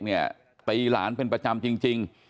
ตีหลานเป็นประจำจริง